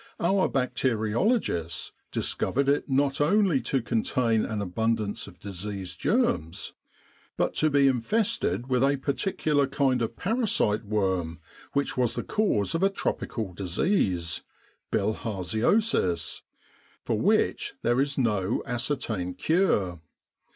Our bacteriologists discovered it not only to contain an abundance of disease germs, but to be infested with a particular kind of parasite worm which was the cause of a tropical disease, bilharziosis, for which there is no ascertained cure.